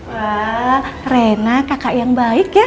wah rena kakak yang baik ya